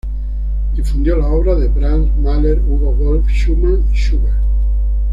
Difundió la obra de Brahms, Mahler, Hugo Wolf, Schumann y Schubert.